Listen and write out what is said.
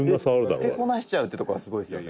「つけこなしちゃうっていうとこがすごいですよね」